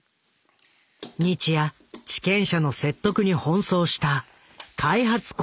日夜地権者の説得に奔走した開発公社の職員。